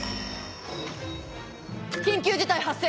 緊急事態発生！